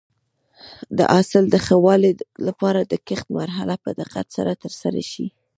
د حاصل د ښه والي لپاره د کښت مرحله په دقت سره ترسره شي.